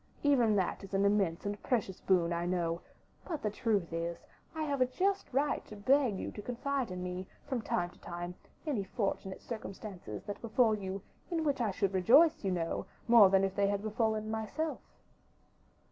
Even that is an immense and precious boon, I know; but the truth is, I have a just right to beg you to confide in me, from time to time, any fortunate circumstances that befall you, in which I should rejoice, you know, more than if they had befallen myself."